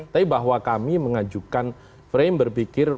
tapi bahwa kami mengajukan frame berpikir